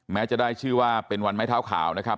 แม้จะได้ชื่อว่าเป็นวันไม้เท้าขาวนะครับ